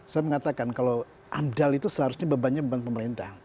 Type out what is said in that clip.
saya mengatakan kalau amdal itu seharusnya bebannya beban pemerintah